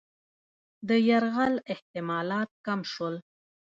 د یرغل احتمالات کم شول.